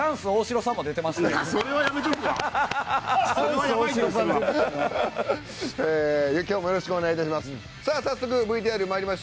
では、今日もよろしくお願い致します。